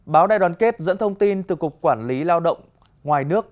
báo đại đoàn kết dẫn thông tin từ cục quản lý lao động ngoài nước